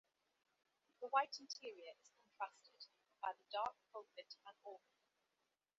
The white interior is contrasted by the dark pulpit and organ.